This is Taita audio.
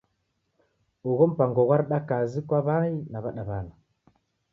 Ugho mpango ghwareda kazi kwa w'ai na w'adaw'ana.